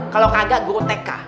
kalau kagak guru tk